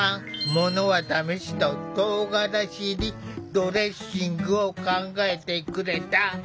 ものは試しと「とうがらし入りドレッシング」を考えてくれた。